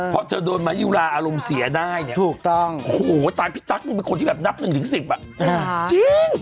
เพราะเธอโดนมายุลาอารมณ์เสียได้เนี่ยถูกต้องโอ้โหตามพี่ตั๊กนี่เป็นคนที่แบบนับหนึ่งถึงสิบอ่ะจริง